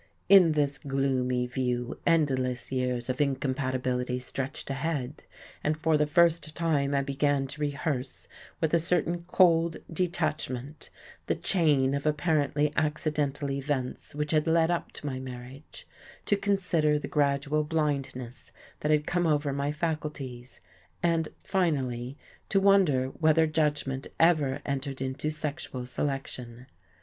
In this gloomy view endless years of incompatibility stretched ahead; and for the first time I began to rehearse with a certain cold detachment the chain of apparently accidental events which had led up to my marriage: to consider the gradual blindness that had come over my faculties; and finally to wonder whether judgment ever entered into sexual selection.